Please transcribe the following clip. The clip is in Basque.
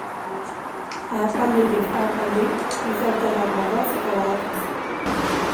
Ahapaldirik ahapaldi giza urtaroak badoaz eta badatoz.